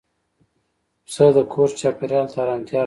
پسه د کور چاپېریال ته آرامتیا راولي.